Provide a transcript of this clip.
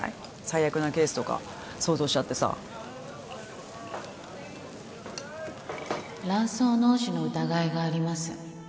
最悪なケースとか想像しちゃってさ卵巣嚢腫の疑いがあります